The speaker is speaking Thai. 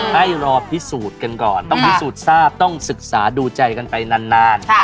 ให้รอพิสูจน์กันก่อนต้องพิสูจน์ทราบต้องศึกษาดูใจกันไปนาน